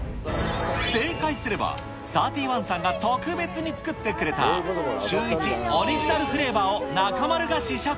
正解すれば、サーティワンさんが特別に作ってくれた、シューイチオリジナルフレーバーを中丸が試食。